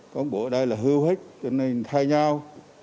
các bộ đây là hưu huyết cho nên thay nhau